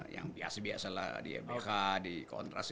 yang biasa biasalah di mbk di kontras